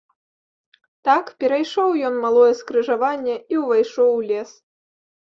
Так перайшоў ён малое скрыжаванне і ўвайшоў у лес.